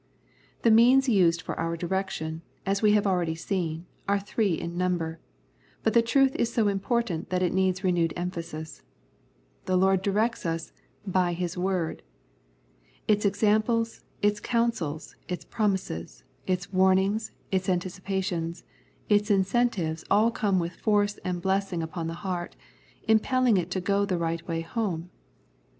The means used for our direction, as we have already seen, are three in number, but the truth is so important that it needs renewed emphasis. The Lord directs us by His Word. Its examples, its counsels, its promises, its warnings, it anticipations, its incentives all come with force and blessing upon the heart, impelling it to go the right way home.